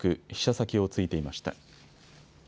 先を突いていました。